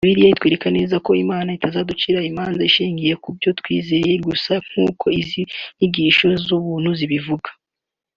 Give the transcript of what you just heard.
Bibiliya itwereka neza ko Imana Itazanducira imanza inshingiye kubyo twizeye gusa nkuko izo nyigisho z’ubuntu zibivuga